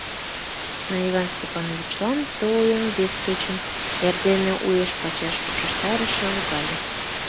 Но Иван Сапаевичлан ты ойым вес кечын эрдене уэш-пачаш ушештарашыже логале...